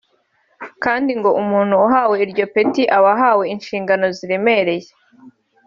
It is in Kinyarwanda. kandi ngo umuntu uhawe iryo peti aba ahawe inshingano ziremereye